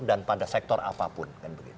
dan pada sektor apapun